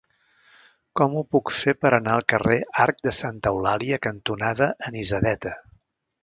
Com ho puc fer per anar al carrer Arc de Santa Eulàlia cantonada Anisadeta?